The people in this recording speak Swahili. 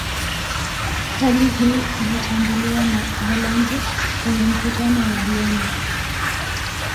Hali hii ilitambuliwa na Uholanzi kwenye Mkutano wa Vienna